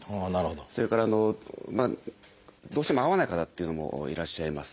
それからどうしても合わない方っていうのもいらっしゃいます。